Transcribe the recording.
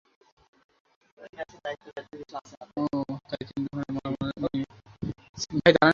তাই তিনি দোকানের মালামাল নিয়ে চিরকুঘাটে এসে নৌকায় নদী পার হন।